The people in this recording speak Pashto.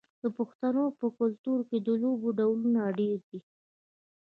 د پښتنو په کلتور کې د لوبو ډولونه ډیر دي.